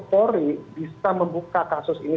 polri bisa membuka kasus ini